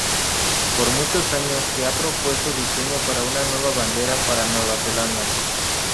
Por muchos años se han propuesto diseños para una nueva bandera para Nueva Zelanda.